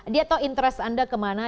dia tahu interest anda kemana